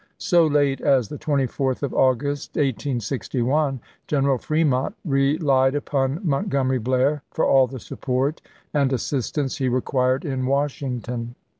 So late as the 24th of August, 1861, General Fremont relied upon Mont gomery Blair for all the support and assistance he required in Washington.